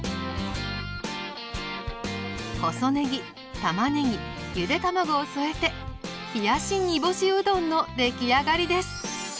細ねぎたまねぎゆで卵を添えて冷やし煮干しうどんの出来上がりです。